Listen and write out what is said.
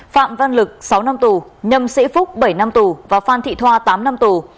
phạm văn lực sáu năm tù nhâm sĩ phúc bảy năm tù và phan thị thoa tám năm tù